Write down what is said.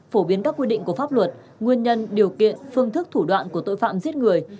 phổ biến các quy định của pháp luật nguyên nhân điều kiện phương thức thủ đoạn của tội phạm giết người